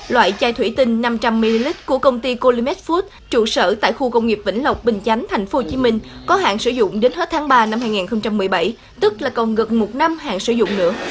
loại chai thủy tinh năm trăm linh ml của công ty cholimex food trụ sở tại khu công nghiệp vĩnh lộc bình chánh thành phố hồ chí minh có hạn sử dụng đến hết tháng ba năm hai nghìn một mươi bảy tức là còn gần một năm hạn sử dụng nữa